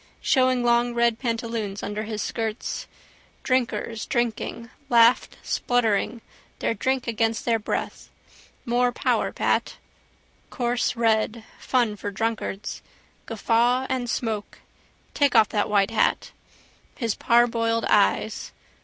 Showing long red pantaloons under his skirts. Drinkers, drinking, laughed spluttering, their drink against their breath. More power, Pat. Coarse red: fun for drunkards: guffaw and smoke. Take off that white hat. His parboiled eyes.